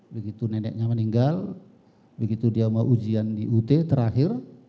begitu neneknya meninggal begitu dia mau ujian di ut terakhir